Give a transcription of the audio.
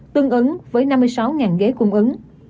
tương ứng với năm mươi sáu ghế cung ứng